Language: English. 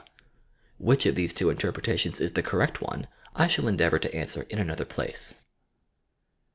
Which of these two interpretations is the correct one I shall endeavour to answer in another place.